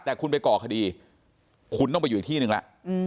แต่คุณไปก่อคดีคุณต้องไปอยู่อีกที่หนึ่งแล้ว